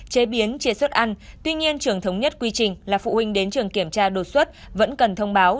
chế biến chế xuất ăn tuy nhiên trường thống nhất quy trình là phụ huynh đến trường kiểm tra đột xuất vẫn cần thông báo